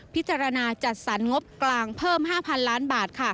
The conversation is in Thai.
พิจารณาจัดสรรงบกลางเพิ่ม๕๐๐ล้านบาท